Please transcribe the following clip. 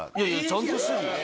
ちゃんとしてるよ。